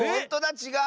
ちがう！